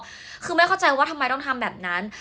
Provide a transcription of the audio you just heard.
คือไม่เข้าใจว่าทำไมต้องทำแบบนั้น